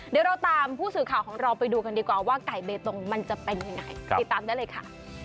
เดี๋ยวเราตามผู้สื่อข่าวของเราไปดูกันดีกว่าว่าไก่เบตงมันจะเป็นยังไงติดตามได้เลยค่ะ